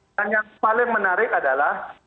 dan yang paling menarik adalah